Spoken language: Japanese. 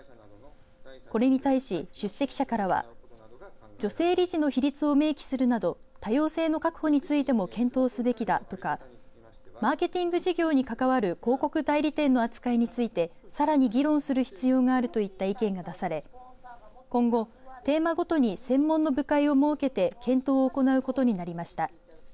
これに対し出席者からは女性理事の比率を明記するなど多様性の確保についても検討すべきだとかマーケティング事業に関わる広告代理店の扱いについてさらに議論する必要があるといった意見が出され今後テーマごとに専門の部会を設けて検討を行うことになりました。